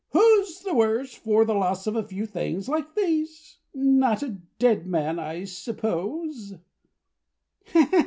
"Who's the worse for the loss of a few things like these? Not a dead man, I suppose."